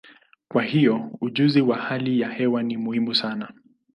Kwa hiyo, ujuzi wa hali ya hewa ni muhimu sana.